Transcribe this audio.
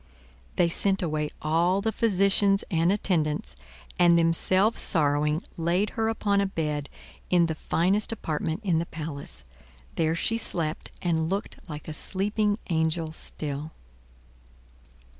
They sent away all the physicians and attendants, and themselves sorrowing laid her upon a bed in the finest apartment in the palace. There she slept and looked like a sleeping angel still.